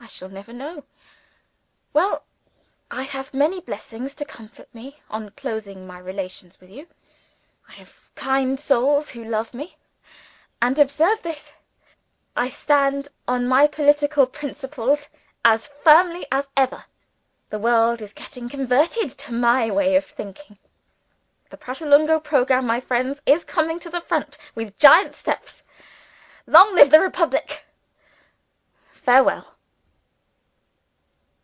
I shall never know! Well, I have many blessings to comfort me, on closing my relations with you. I have kind souls who love me; and observe this! I stand on my political principles as firmly as ever. The world is getting converted to my way of thinking: the Pratolungo programme, my friends, is coming to the front with giant steps. Long live the Republic! Farewell.